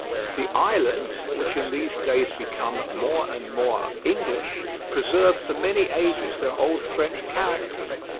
The islands, which in these days become rapidly more and more English preserved for many ages their old French character.